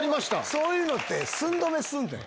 そういうのって寸止めすんだよ。